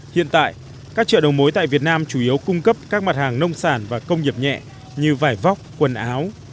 hiện tại các chợ đầu mối tại việt nam chủ yếu cung cấp các mặt hàng nông sản và công nghiệp nhẹ như vải vóc quần áo